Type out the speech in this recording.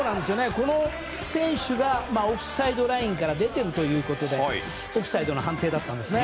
この選手がオフサイドラインから出ているということでオフサイドの判定だったんです。